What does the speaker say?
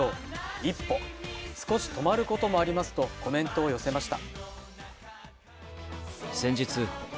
「一歩、少し止まることもあります」とコメントを寄せました。